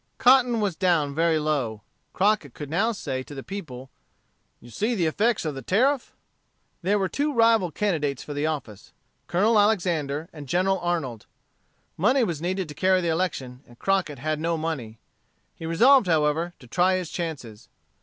Cotton was down very low. Crockett could now say to the people: "You see the effects of the Tariff." There were two rival candidates for the office, Colonel Alexander and General Arnold. Money was needed to carry the election, and Crockett had no money. He resolved, however, to try his chances.